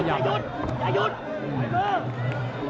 อย่าหยุดอย่าหยุด